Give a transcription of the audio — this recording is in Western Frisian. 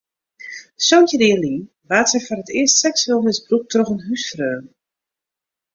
Santjin jier lyn waard sy foar it earst seksueel misbrûkt troch in húsfreon.